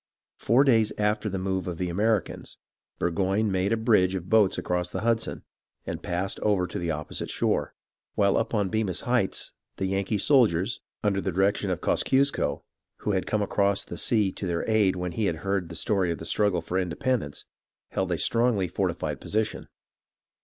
Four days after this move of the Americans, Burgoyne made a bridge of boats 204 BURGOYNE'S SURRENDER 205 across the Hudson, and passed over to the opposite shore ; while up on Bemis Heights the Yankee soldiers, under the direction of Kosciusko, who had come across the sea to their aid when he heard the story of the struggle for inde pendence, held a strongly fortified position.